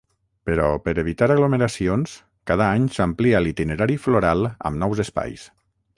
Però per evitar aglomeracions, cada any s’amplia l’itinerari floral amb nous espais.